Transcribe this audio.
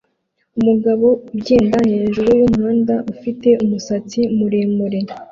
Umugabo ugenda hejuru yumuhanda ufite umusatsi muremure